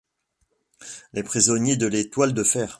Les Prisonniers de l'Étoile de fer.